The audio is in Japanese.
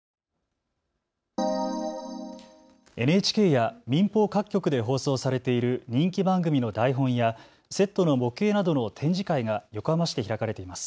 ＮＨＫや民放各局で放送されている人気番組の台本やセットの模型などの展示会が横浜市で開かれています。